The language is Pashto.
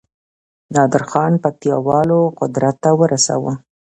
نادرخان پکتياوالو قدرت ته ورساوه